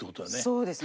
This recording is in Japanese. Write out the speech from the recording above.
そうですね。